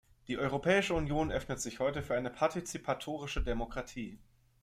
Die Europäische Union öffnet sich heute für eine partizipatorische Demokratie.